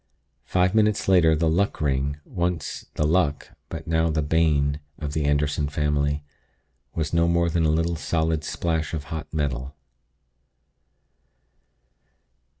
Five minutes later the Luck Ring, once the 'luck,' but now the 'bane,' of the Anderson family, was no more than a little solid splash of hot metal."